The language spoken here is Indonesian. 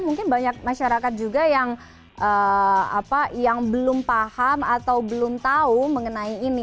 mungkin banyak masyarakat juga yang belum paham atau belum tahu mengenai ini